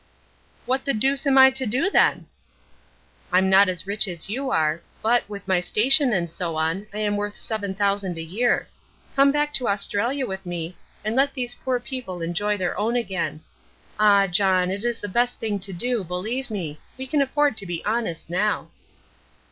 "What the deuce am I to do, then?" "I am not as rich as you are, but, with my station and so on, I am worth seven thousand a year. Come back to Australia with me, and let these poor people enjoy their own again. Ah, John, it is the best thing to do, believe me. We can afford to be honest now."